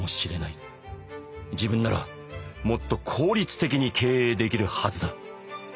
自分ならもっと効率的に経営できるはずだ」。